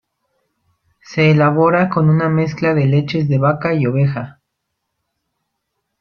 Se elabora con una mezcla de leches de vaca y oveja.